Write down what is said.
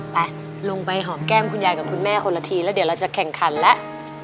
ไปลงไปหอมแก้มคุณยายกับคุณแม่คนละทีแล้วเดี๋ยวเราจะแข่งขันแล้ว